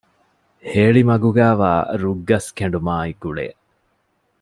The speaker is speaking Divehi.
ހޭޅިމަގުގައިވާ ރުއްގަސް ކެނޑުމާއި ގުޅޭ